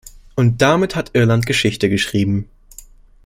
Und damit hat Irland Geschichte geschrieben.